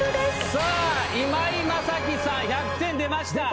さあ、今井マサキさん、１００点出ました。